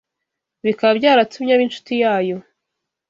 bikaba byaratumye aba incuti yayo